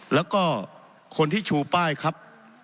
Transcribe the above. แล้วก็คนที่ชูป้ายครับ